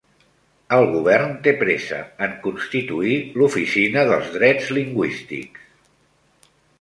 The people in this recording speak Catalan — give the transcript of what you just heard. El govern té pressa en constituir l'Oficina dels Drets Lingüístics